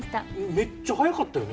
めっちゃ速かったよね？